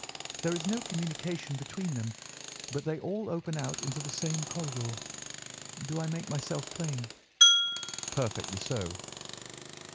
There is no communication between them, but they all open out into the same corridor. Do I make myself plain?" "Perfectly so."